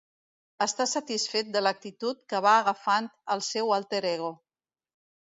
Està satisfet de l'actitud que va agafant el seu alter ego.